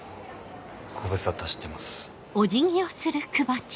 ご無沙汰してます。